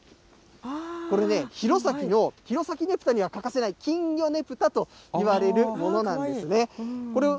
これね、弘前の弘前ねぷたには欠かせない、金魚ねぷたといわれるものなんですね。